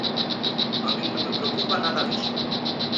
A min non me preocupa nada diso.